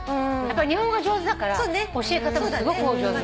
日本語が上手だから教え方もすごくお上手なの。